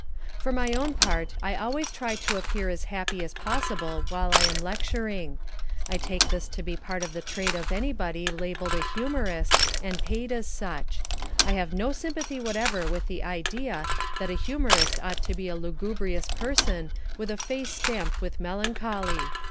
For my own part I always try to appear as happy as possible while I am lecturing. I take this to be part of the trade of anybody labelled a humourist and paid as such. I have no sympathy whatever with the idea that a humourist ought to be a lugubrious person with a face stamped with melancholy.